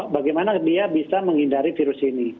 bagaimana dia bisa menghindari virus ini